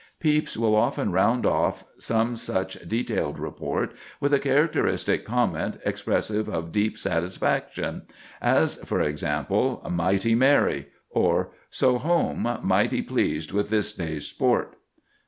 Pepys will often round off some such detailed report with a characteristic comment expressive of deep satisfaction; as, for example, "mighty merry," or "so home, mighty pleased with this day's sport."